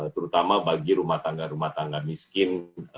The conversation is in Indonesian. terutama bagi rumah tangga rumah tangga miskin